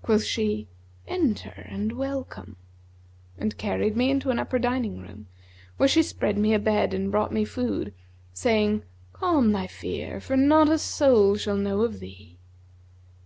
Quoth she, 'Enter and welcome;' and carried me into an upper dining room, where she spread me a bed and brought me food, saying 'Calm thy fear, for not a soul shall know of thee.'